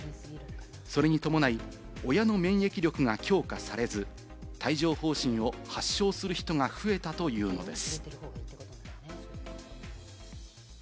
それに伴い、親の免疫力が強化されず、帯状疱疹を発症する人が増えたというのです。